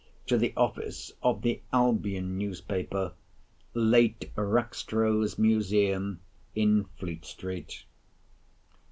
to the office of the Albion Newspaper, late Rackstrow's Museum, in Fleet street.